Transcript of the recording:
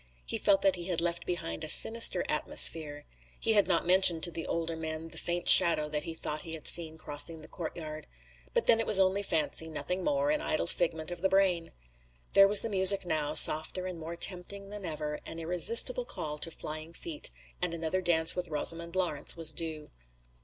He felt that he had left behind a sinister atmosphere. He had not mentioned to the older men the faint shadow that he thought he had seen crossing the courtyard. But then it was only fancy, nothing more, an idle figment of the brain! There was the music now, softer and more tempting than ever, an irresistible call to flying feet, and another dance with Rosamond Lawrence was due.